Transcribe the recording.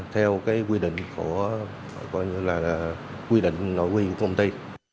theo cái quy định của coi như là quy định nội quy của công ty